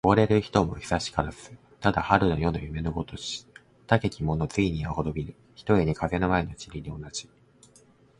おごれる人も久しからず。ただ春の夜の夢のごとし。たけき者もついには滅びぬ、ひとえに風の前の塵に同じ。